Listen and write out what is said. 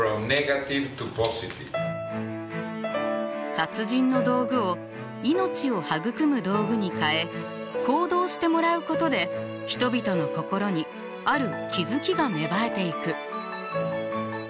殺人の道具を命を育む道具に変え行動してもらうことで人々の心にある気付きが芽生えていく。